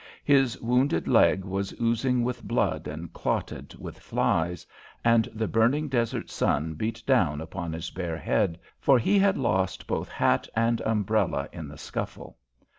His wounded leg was oozing with blood and clotted with flies, and the burning desert sun beat down upon his bare head, for he had lost both hat and umbrella in the scuffle.